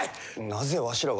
なぜわしらが。